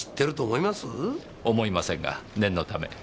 思いませんが念のため。